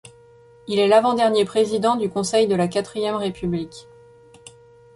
Il est l'avant-dernier président du Conseil de la Quatrième République.